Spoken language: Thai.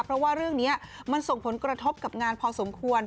เพราะว่าเรื่องนี้มันส่งผลกระทบกับงานพอสมควร